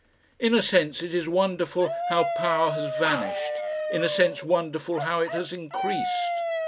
In a sense it is wonderful how power has vanished, in a sense wonderful how it has increased.